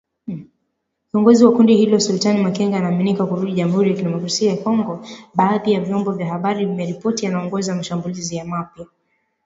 Kiongozi wa kundi hilo Sultani Makenga anaaminika kurudi Jamhuri ya Kidemokrasia ya Kongo. Baadhi ya vyombo vya habari vimeripoti anaongoza mashambulizi mapya.